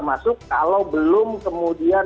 masuk kalau belum kemudian